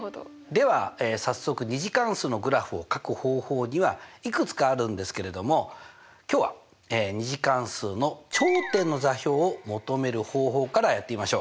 では早速２次関数のグラフをかく方法にはいくつかあるんですけれども今日は２次関数の頂点の座標を求める方法からやってみましょう！